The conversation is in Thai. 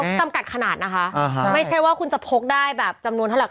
จำกัดขนาดนะคะไม่ใช่ว่าคุณจะพกได้แบบจำนวนเท่าไห